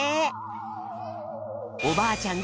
おばあちゃん